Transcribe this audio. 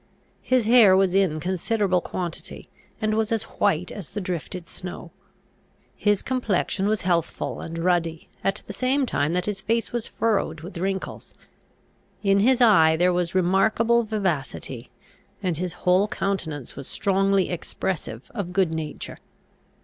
His hair was in considerable quantity, and was as white as the drifted snow. His complexion was healthful and ruddy, at the same time that his face was furrowed with wrinkles. In his eye there was remarkable vivacity, and his whole countenance was strongly expressive of good nature.